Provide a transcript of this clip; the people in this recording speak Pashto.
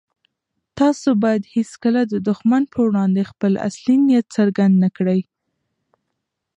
تاسو بايد هيڅکله د دښمن په وړاندې خپل اصلي نيت څرګند نه کړئ.